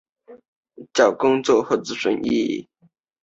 上加尔萨斯是巴西马托格罗索州的一个市镇。